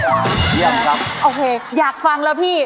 เยี่ยมครับโอเคอยากฟังแล้วพี่